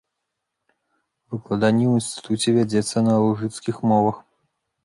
Выкладанне ў інстытуце вядзецца на лужыцкіх мовах.